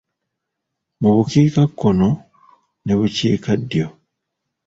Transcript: Mu bukika kono ne bukiika ddyo.